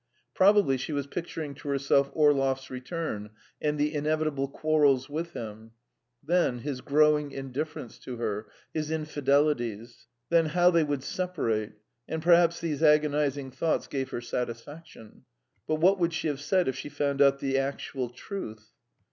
Probably she was picturing to herself Orlov's return and the inevitable quarrels with him; then his growing indifference to her, his infidelities; then how they would separate; and perhaps these agonising thoughts gave her satisfaction. But what would she have said if she found out the actual truth?